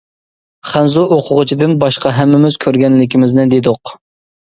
خەنزۇ ئوقۇغۇچىدىن باشقا ھەممىمىز كۆرگەنلىكىمىزنى دېدۇق.